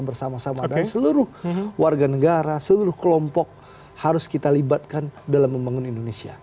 bersama sama dan seluruh warga negara seluruh kelompok harus kita libatkan dalam membangun indonesia